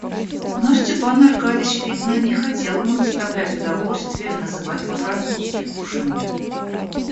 Но Степан Аркадьич, видно, не хотел ему доставлять удовольствие называть по-французски кушанья.